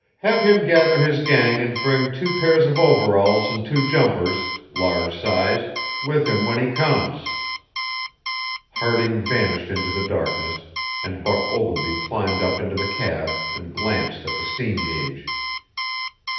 Have him gather his gang and bring two pairs of overalls and two jumpers large size with him when he comes." Harding vanished into the darkness, and Buck Ogilvy climbed up into the cab and glanced at the steam gauge.